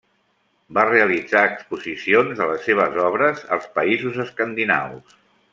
Va realitzar exposicions de les seves obres als Països Escandinaus.